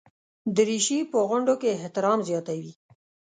دریشي په غونډو کې احترام زیاتوي.